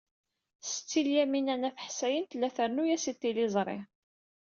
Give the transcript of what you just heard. Setti Lyamina n At Ḥsayen tella trennu-as i tliẓri.